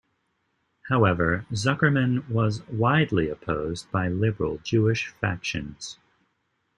However, Zuckerman was widely opposed by liberal Jewish factions.